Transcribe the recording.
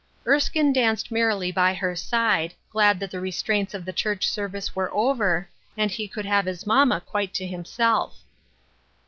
Erskine danced merrily by her side, glad that the restraints of the church service were over, and he could have his mamma quite to himself.